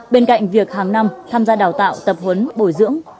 bên cạnh việc hàng năm tham gia đào tạo tập huấn bồi dưỡng